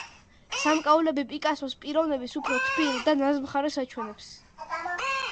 სამკაულები პიკასოს პიროვნების უფრო თბილ და ნაზ მხარეს აჩვენებს.